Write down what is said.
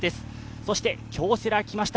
そして京セラ来ました、